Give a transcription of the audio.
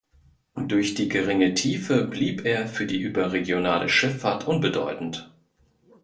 Durch die geringe Tiefe blieb er für die überregionale Schifffahrt unbedeutend.